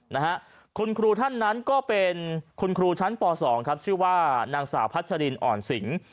นะฮะคุณครูท่านนั้นก็เป็นคุณครูชั้นปสองครับชื่อว่านางสาวพัชรินอ่อนสิง